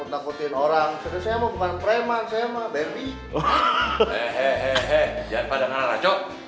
mau ngisiin buat darah si abah